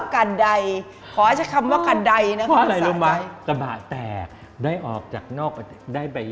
คนไม่รู้จักละ